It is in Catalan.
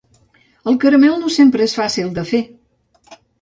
El caramel no sempre és fàcil de fer